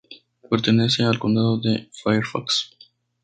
Pertenece al Condado de Fairfax.